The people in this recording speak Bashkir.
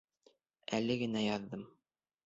Әле генә яҙҙым.